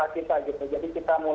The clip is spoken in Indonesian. jadi kita mulai kegiatan sebelum juhur